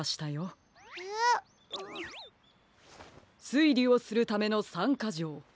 すいりをするための３かじょう。